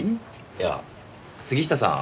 いや杉下さん